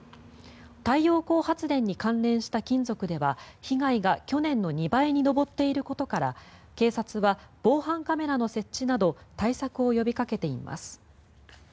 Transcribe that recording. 太陽光発電に関連した金属では被害が去年の２倍に上っていることから警察は防犯カメラの設置など対策を呼びかけています。